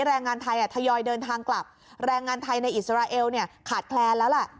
แรงงานไทยทยอยเดินทางกลับแรงงานไทยในอิสราเอลเนี่ยขาดแคลนแล้วแหละ